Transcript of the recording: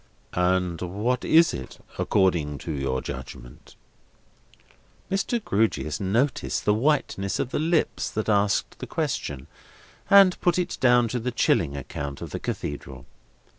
"And what is it—according to your judgment?" Mr. Grewgious noticed the whiteness of the lips that asked the question, and put it down to the chilling account of the Cathedral.